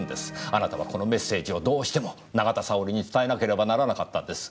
あなたはこのメッセージをどうしても永田沙織に伝えなければならなかったんです。